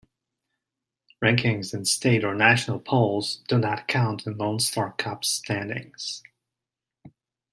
Rankings in state or national polls do not count in Lone Star Cup standings.